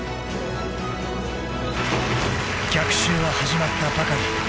［逆襲は始まったばかり］